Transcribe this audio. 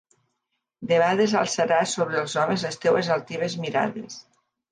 Debades alçaràs sobre els homes les teues altives mirades.